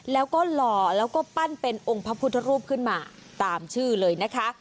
แล้วก็หล่อแล้วก็ปั้นเป็นองค์พระพุทธรูปขึ้นมาตามชื่อเลยนะคะ